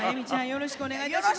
よろしくお願いします。